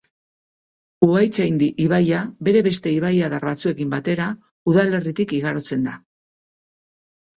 Uhaitzandi ibaia, bere beste ibaiadar batzuekin batera udalerritik igarotzen da.